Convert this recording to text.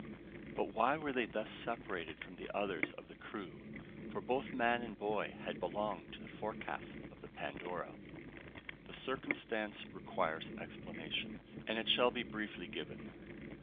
But why were they thus separated from the others of the crew: for both man and boy had belonged to the forecastle of the Pandora? The circumstance requires explanation, and it shall be briefly given.